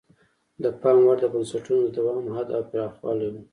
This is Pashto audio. د پام وړ د بنسټونو د دوام حد او پراخوالی وو.